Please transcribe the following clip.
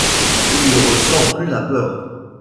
Il ne ressent plus la peur.